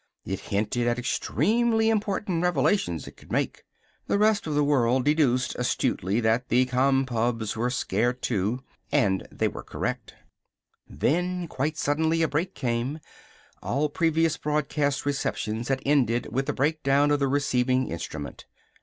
It hinted at extremely important revelations it could make. The rest of the world deduced astutely that the Compubs were scared, too. And they were correct. Then, quite suddenly, a break came. All previous broadcast receptions had ended with the break down of the receiving instrument.